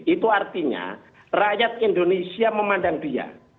itu artinya rakyat indonesia memandang dia